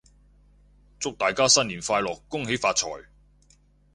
祝大家新年快樂！恭喜發財！